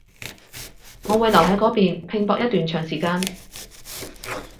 我會留喺嗰邊拼搏一段長時間